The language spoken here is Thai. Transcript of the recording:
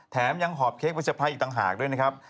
แถมยังหอบเค้กวิจัยภัยอีกต่างหากด้วยนะครับ